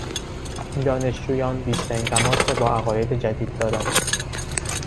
این دانشجویان بیشترین تماس را با عقاید جدید دارند.